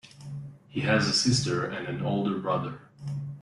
He has a sister and an older brother.